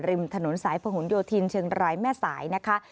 ริมถนนสายพหนโยธินเชียงรายแม่สายนะคะ